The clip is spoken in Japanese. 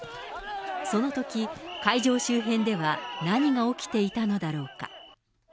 そのとき、会場周辺では何が起きていたのだろうか。